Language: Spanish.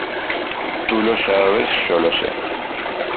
Tu lo sabes, yo lo se.